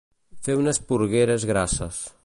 Fer unes porgueres grasses.